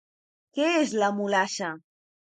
Què és La Mulassa?